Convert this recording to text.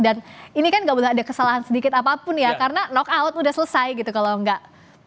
dan ini kan nggak ada kesalahan sedikit apapun ya karena knock out sudah selesai gitu kalau nggak